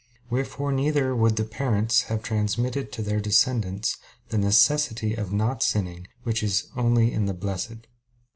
Wherefore neither would the parents have transmitted to their descendants the necessity of not sinning, which is only in the blessed.